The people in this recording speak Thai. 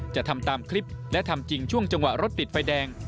จะทำตามคลิปและทำจริงช่วงจังหวะรถติดไฟแดง